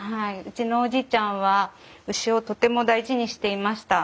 うちのおじいちゃんは牛をとても大事にしていました。